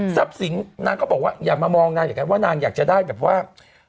สินนางก็บอกว่าอย่ามามองนางอย่างนั้นว่านางอยากจะได้แบบว่า